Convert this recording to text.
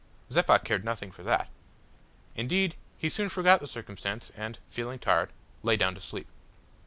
Zeppa cared nothing for that. Indeed he soon forgot the circumstance, and, feeling tired, lay down to sleep.